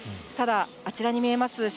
ただ、あちらに見えます